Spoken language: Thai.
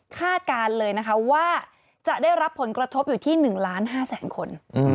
คาดการณ์เลยว่าจะได้รับผลกระทบอยู่ที่๑๕ล้านคน